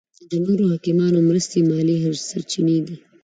د نورو حاکمانو مرستې مالي سرچینې دي.